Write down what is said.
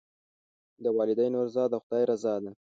د والدینو رضا د خدای رضا ده.